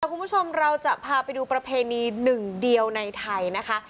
คุณผู้ชมเราจะพาไปดูประเพณีหนึ่งเดียวในไทยนะคะ